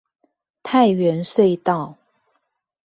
泰源隧道